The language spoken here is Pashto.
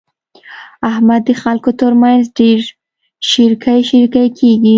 احمد د خلګو تر مخ ډېر شېرکی شېرکی کېږي.